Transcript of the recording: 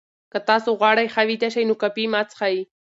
که تاسي غواړئ ښه ویده شئ، نو کافي مه څښئ.